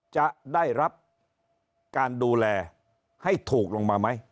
จะได้รับการดูแลให้ถูกลงมาไหม